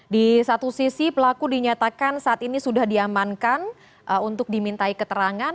di satu sisi pelaku dinyatakan saat ini sudah diamankan untuk dimintai keterangan